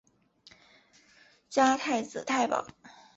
加太子太保。